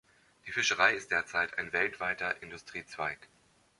Die Fischerei ist derzeit ein weltweiter Industriezweig.